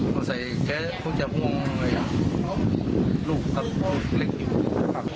ตอนใส่เขาคงจะฮ่วงลูกตัวเล็กอยู่